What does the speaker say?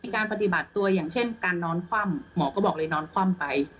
การปฏิบัติตัวอย่างเช่นการนอนคว่ำหมอก็บอกเลยนอนคว่ำไป